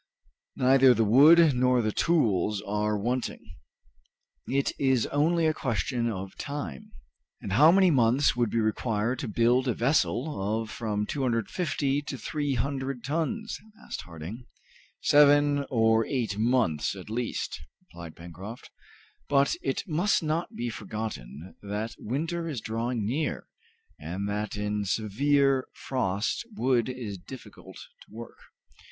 Neither the wood nor the tools are wanting. It is only a question of time." "And how many months would be required to build a vessel of from 250 to 300 tons?" asked Harding. "Seven or eight months at least," replied Pencroft. "But it must not be forgotten that winter is drawing near, and that in severe frost wood is difficult to work.